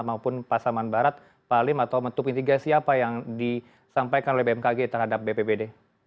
maupun pasaman barat palem atau metuk mitigasi apa yang disampaikan oleh bmkg terhadap bpbd